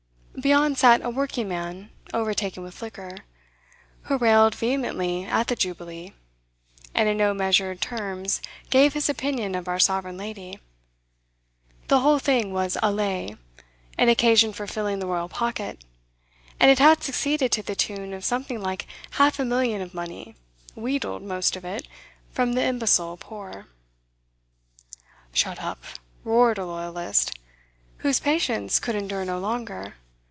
Beyond sat a working man, overtaken with liquor, who railed vehemently at the Jubilee, and in no measured terms gave his opinion of our Sovereign Lady; the whole thing was a 'lay,' an occasion for filling the Royal pocket, and it had succeeded to the tune of something like half a million of money, wheedled, most of it, from the imbecile poor. 'Shut up!' roared a loyalist, whose patience could endure no longer.